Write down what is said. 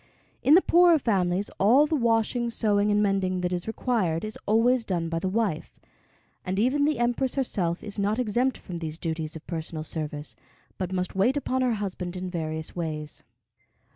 In the poorer families all the washing, sewing, and mending that is required is always done by the wife; and even the Empress herself is not exempt from these duties of personal service, but must wait upon her husband in various ways.